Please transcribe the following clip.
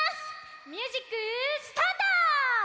ミュージックスタート！